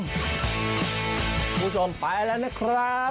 คุณผู้ชมไปแล้วนะครับ